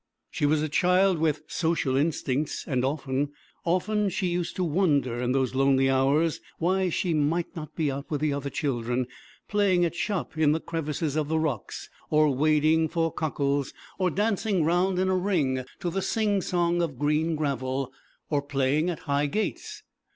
She was a child with social instincts, and often, often she used to wonder in those lonely hours why she might not be out with the other children, playing at shop in the crevices of the rocks, or wading for cockles, or dancing round in a ring to the sing song of 'Green Gravel,' or playing at 'High Gates.'